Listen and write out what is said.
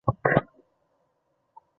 随后举行祭祖仪式。